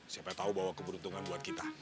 siapa tahu bahwa keberuntungan buat kita